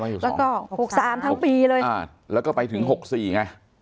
แล้วก็หกสามทั้งปีเลยอ่าแล้วก็ไปถึงหกสี่ไง